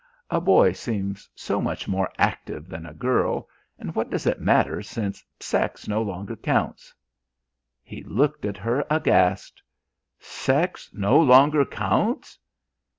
A boy seems so much more active than a girl, and what does it matter since sex no longer counts?" He looked at her aghast. "Sex no longer counts!"